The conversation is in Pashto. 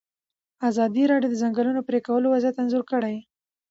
ازادي راډیو د د ځنګلونو پرېکول وضعیت انځور کړی.